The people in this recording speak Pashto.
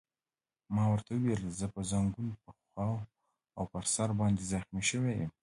ما ورته وویل: زه په زنګون، پښو او پر سر باندې زخمي شوی یم.